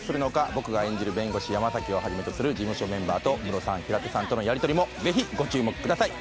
僕が演じる弁護士山崎をはじめとする事務所メンバーとムロさん平手さんとのやりとりもぜひご注目ください。